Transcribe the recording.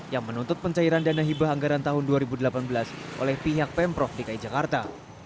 yang menuntut pencairan dana hibah anggaran tahun dua ribu delapan belas oleh pihak pemprov dki jakarta